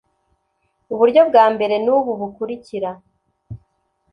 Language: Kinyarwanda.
uburyo bwa mbere nubu bukurikira